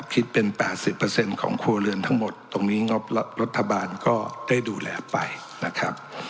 คิดเป็นประสิทธิ์เปอร์เซ็นต์ของครัวเรือนทั้งหมดตรงนี้งอบรัฐบาลก็ได้ดูแลไปนะครับ